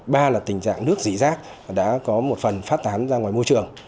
ba là tình trạng nước dỉ rác đã có một phần phát tán ra ngoài môi trường